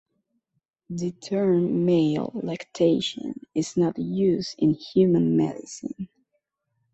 The term male lactation is not used in human medicine.